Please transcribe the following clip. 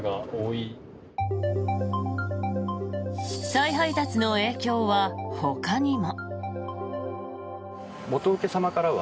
再配達の影響はほかにも。